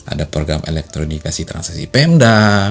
ada program elektronikasi transaksi pemda